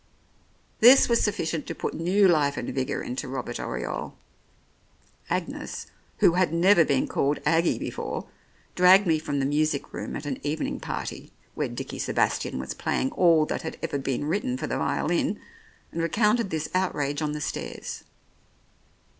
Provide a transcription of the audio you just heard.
This was sufficient to put new life and vigour into Robert Oriole. Agnes — who had never been called "Aggie " before dragged me from the music room at an evening party, where Dickie Sebastian was playing all that had ever been written for the violin, and recounted this outrage on the stairs.